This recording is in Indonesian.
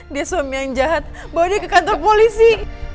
dia suami yang jahat bawa dia ke kantor polisi